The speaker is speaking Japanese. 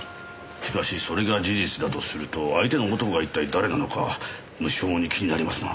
しかしそれが事実だとすると相手の男が一体誰なのか無性に気になりますな。